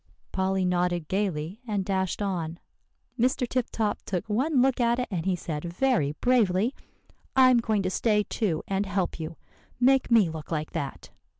Polly nodded gayly and dashed on. "Mr. Tip Top took one look at it, and he said very bravely, 'I'm going to stay too, and help you. Make me look like that.